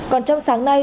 còn trong sáng nay